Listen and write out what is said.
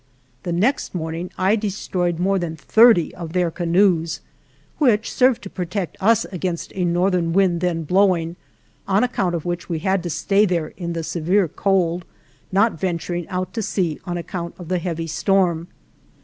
The next morning I destroyed more than thirty of their canoes, which served to protect us against a northern wind then blowing, on account of which we had to stay there, in the severe cold, not venturing out to sea on account of the heavy storm.